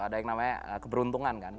ada yang namanya keberuntungan kan